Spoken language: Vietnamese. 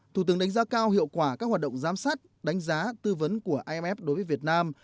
thủ tướng đánh giá cao hiệu quả các hoạt động giám sát đánh giá tư vấn của imf đối với việt nam